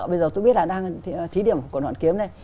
bây giờ tôi biết là đang thí điểm của nguồn kiếm này